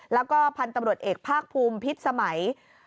แล้วก็พันธุ์ตำรวจเอกภาคภูมิพิษสมัย